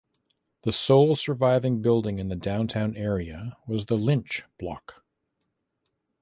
The sole surviving building in the downtown area was the Lynch block.